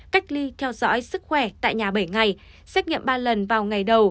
cách ly theo dõi sức khỏe tại nhà bảy ngày xét nghiệm ba lần vào ngày đầu